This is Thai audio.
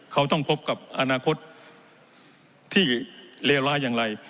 เขาต้องพบกับอนาคตที่เลวร้ายอย่างไร